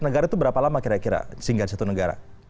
negara itu berapa lama kira kira sehingga satu negara